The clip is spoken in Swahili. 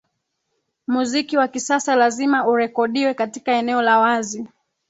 muziki wa kisasa lazima urekodiwe katika eneo la wazi